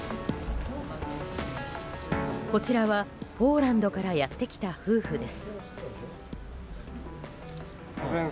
こちらは、ポーランドからやってきた夫婦です。